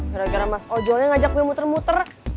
gara gara mas ojolnya ngajak gue muter muter